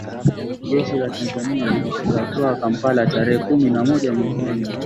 jeshi la Tanzania likatwaa Kampala tarehe kumi na moja mwezi wa nne